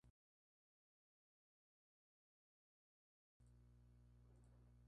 En su niñez se radicó en Sonora.